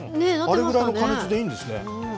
あれぐらいの加熱でいいんですね。